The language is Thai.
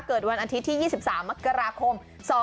เกิดวันอาทิตย์ที่๒๓มกราคม๒๕๒๐